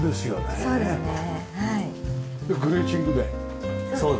はいそうですね。